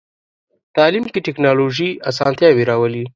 تعلیم کې ټکنالوژي اسانتیاوې راولي.